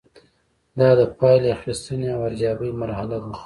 دا د پایلې اخیستنې او ارزیابۍ مرحله ده.